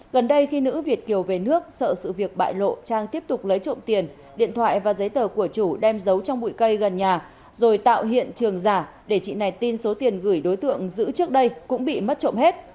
gần đây khi nữ việt kiều về nước sợ sự việc bại lộ trang tiếp tục lấy trộm tiền điện thoại và giấy tờ của chủ đem giấu trong bụi cây gần nhà rồi tạo hiện trường giả để chị này tin số tiền gửi đối tượng giữ trước đây cũng bị mất trộm hết